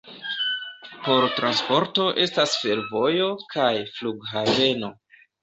Por transporto estas fervojo kaj flughaveno.